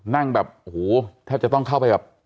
นั่งแบบโอ้โหแทบจะต้องเข้าไปแบบ